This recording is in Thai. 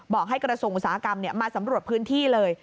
บอกให้กระทรวงอุตสาหกรรมมาสำรวจพื้นที่เลย